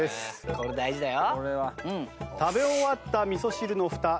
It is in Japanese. これ大事だよ。